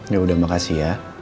ya udah makasih ya